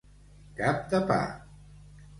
Cap de pa.